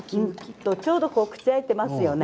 ちょうど口が開いていますよね。